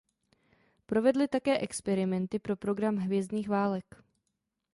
Provedli také experimenty pro program Hvězdných válek.